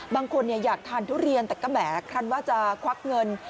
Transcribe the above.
บางคนอยากทานทุเรียนแต่ก็แหมครันว่าจะควักเงิน